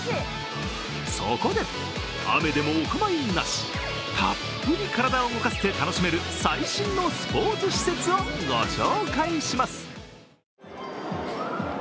そこで、雨でもお構いなしたっぷり体を動かせて楽しめる最新のスポーツ施設をご紹介します。